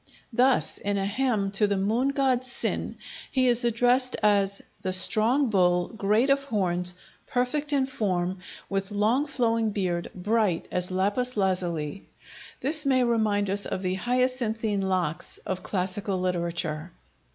Thus, in a hymn to the moon god Sin, he is addressed as the "strong bull, great of horns, perfect in form, with long flowing beard, bright as lapis lazuli." This may remind us of the "hyacinthine locks" of classical literature.